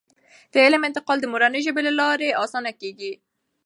د علم انتقال د مورنۍ ژبې له لارې اسانه کیږي.